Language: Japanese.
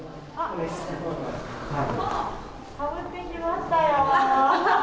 戻ってきましたよ。